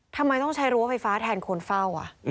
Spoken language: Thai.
ทำไมต้องใช้รั้วไฟฟ้าแทนคนเฝ้า